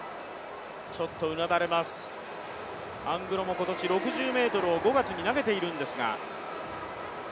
ちょっとうなだれますアングロも今年、６０ｍを５月に投げているんですが。